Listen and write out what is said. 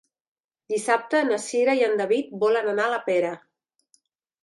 Dissabte na Cira i en David volen anar a la Pera.